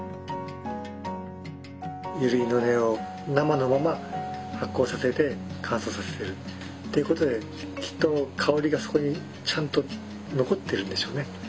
ユリの根を生のまま発酵させて乾燥させてるっていうことできっと香りがそこにちゃんと残ってるんでしょうね。